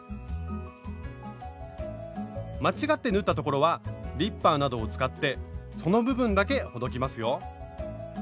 間違って縫ったところはリッパーなどを使ってその部分だけほどきますよ。